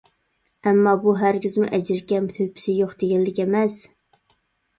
ئەمما بۇ ھەرگىزمۇ ئەجرى كەم، تۆھپىسى يوق دېگەنلىك ئەمەس.